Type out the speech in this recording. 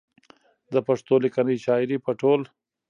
د پښتو ليکنۍ شاعرۍ په ټول